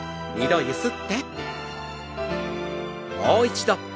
もう一度。